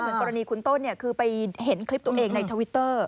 กรณีคุณต้นคือไปเห็นคลิปตัวเองในทวิตเตอร์